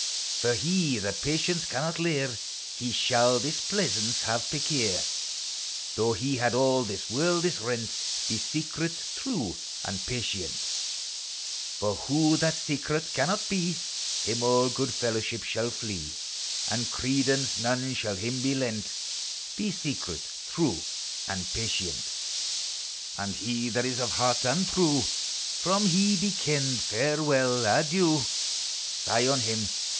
For he that patience can not leir, He shall displeasance have perquier, Though he had all this worldis rent: Be secret, true and patient ! For who that secret cannot be, Him all good fellowship shall flee, And credence none shall him be lent: Be secret, true and patient! And he that is of heart untrue, From he be ken'd farewell! adieu! Fie on him